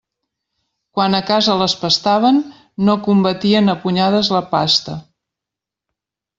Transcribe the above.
Quan a casa les pastaven, no combatien a punyades la pasta.